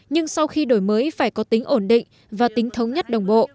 nhưng sau khi đổi mới phải có tính ổn định và tính thống nhất đồng bộ